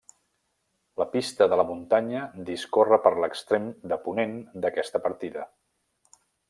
La Pista de la Muntanya discorre per l'extrem de ponent d'aquesta partida.